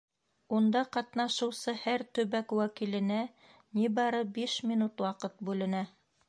Унда ҡатнашыусы һәр төбәк вәкиленә ни бары биш минут бүленә.